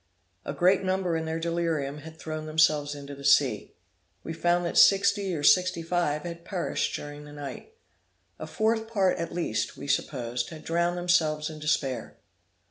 A great number in their delirium had thrown themselves into the sea. We found that sixty or sixty five had perished during the night. A fourth part at least, we supposed, had drowned themselves in despair.